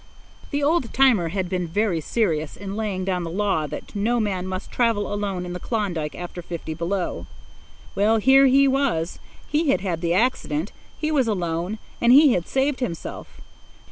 The old timer had been very serious in laying down the law that no man must travel alone in the Klondike after fifty below. Well, here he was; he had had the accident; he was alone; and he had saved himself.